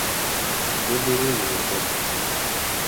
Enjogera eyo yava ku ki ?